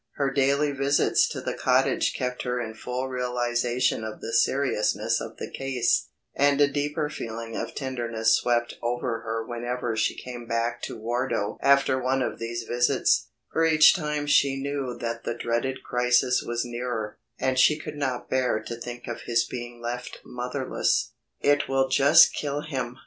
Her daily visits to the cottage kept her in full realization of the seriousness of the case, and a deeper feeling of tenderness swept over her whenever she came back to Wardo after one of these visits, for each time she knew that the dreaded crisis was nearer, and she could not bear to think of his being left motherless. "It will just kill him!"